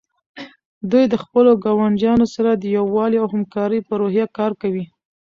دوی د خپلو ګاونډیانو سره د یووالي او همکارۍ په روحیه کار کوي.